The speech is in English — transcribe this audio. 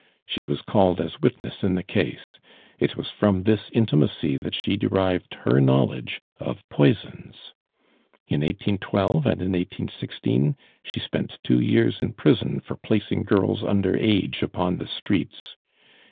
She was called as witness in the case. It was from this intimacy that she derived her knowledge of poisons. "In 1812 and in 1816 she spent two years in prison for placing girls under age upon the streets.